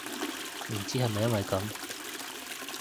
唔知係咪因為噉